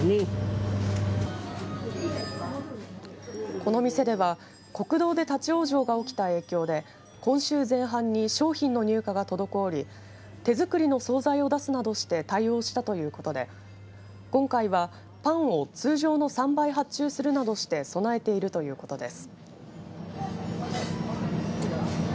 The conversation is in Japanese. この店では、国道で立往生が起きた影響で今週前半に商品の入荷が滞り手作りの総菜を出すなどして対応したということで今回はパンを通常の３倍発注するなどして備えているということです。